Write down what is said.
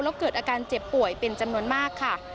แล้วเกิดอาการเจ็บป่วยเป็นจำนวนมากค่ะ